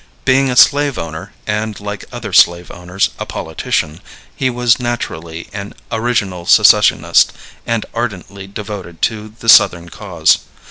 Being a slave owner, and, like other slave owners, a politician, he was naturally an original secessionist and ardently devoted to the Southern cause.